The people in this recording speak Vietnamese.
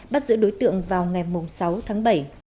bắt giữ đối tượng vào ngày sáu tháng bảy